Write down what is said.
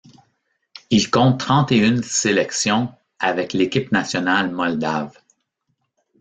Il compte trente-et-une sélections avec l'équipe nationale moldave.